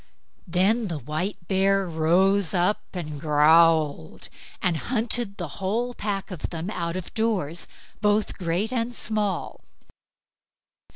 Then the white bear rose up and growled, and hunted the whole pack of them out of doors, both great and small.